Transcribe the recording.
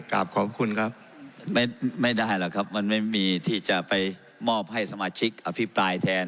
กลับขอบคุณครับไม่ได้หรอกครับมันไม่มีที่จะไปมอบให้สมาชิกอภิปรายแทน